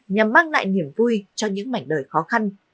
nhằm mang lại niềm vui cho những mảnh đời khó khăn